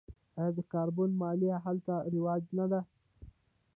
آیا د کاربن مالیه هلته رواج نه ده؟